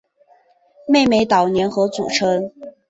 姊妹岛联合组成。